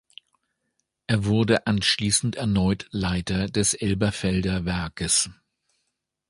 Er wurde anschließend erneut Leiter des Elberfelder Werkes.